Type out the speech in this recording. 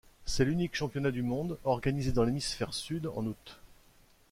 C'est l'unique championnat du monde organisé dans l'hémisphère Sud en août.